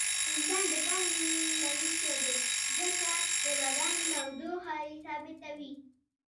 انسان د ګرمې وینې لرونکی دی ځکه د بدن تودوخه یې ثابته وي